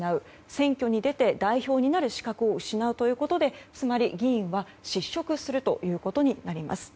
選挙に出て代表になる資格を失うということでつまり議員は失職するということになります。